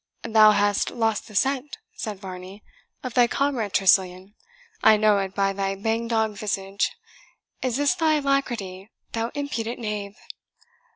"Thou hast lost the scent," said Varney, "of thy comrade Tressilian. I know it by thy hang dog visage. Is this thy alacrity, thou impudent knave?"